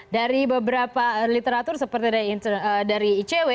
dari beberapa literatur seperti dari icw